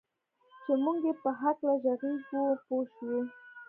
چې موږ یې په هکله ږغېږو پوه شوې!.